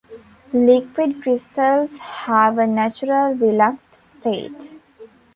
Liquid crystals have a natural relaxed state.